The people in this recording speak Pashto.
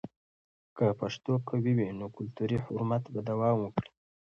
که پښتو قوي وي، نو کلتوري حرمت به دوام وکړي.